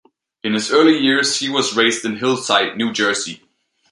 In his early years he was raised in Hillside, New Jersey.